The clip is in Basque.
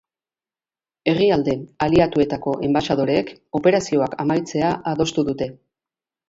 Herrialde aliatuetako enbaxadoreek operazioak amaitzea adostu dute.